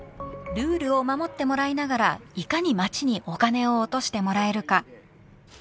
ルールを守ってもらいながらいかに町にお金を落としてもらえるか。